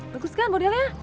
bagus kan modelnya